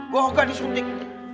gue gak disuntik